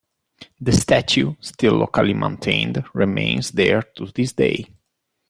The statue, still locally maintained, remains there to this day.